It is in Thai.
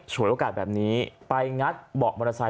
โอกาสแบบนี้ไปงัดเบาะมอเตอร์ไซค